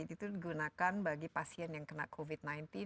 itu digunakan bagi pasien yang kena covid sembilan belas